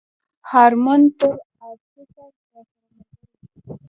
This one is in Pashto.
مرهون تر آرشیفه راسره ملګری و.